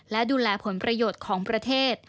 และดูแลผลประโยชน์ของประเทศ